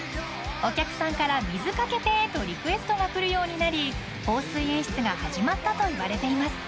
［お客さんから水掛けてとリクエストが来るようになり放水演出が始まったといわれています］